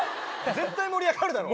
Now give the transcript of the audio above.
絶対盛り上がるだろ。